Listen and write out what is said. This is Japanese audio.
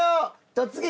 『突撃！